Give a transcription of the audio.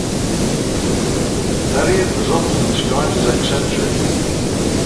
Elliott was often described as eccentric.